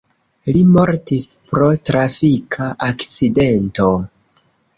Li mortis pro trafika akcidento.